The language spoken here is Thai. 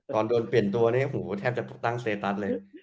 ตอนโดนเปลี่ยนตัวนี้หูแทบจะตั้งเซตัสเลย